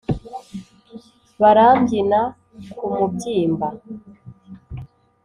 barambyina ku mubyimba